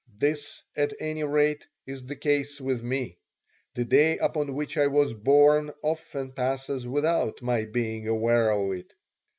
This, at any rate, is the case with me. The day upon which I was born often passes without my being aware of it.